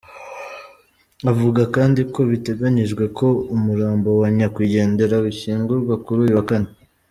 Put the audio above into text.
Avuga kandi ko biteganyijwe ko umurambo wa nyakwigendera ushyingurwa kuri uyu wa kane.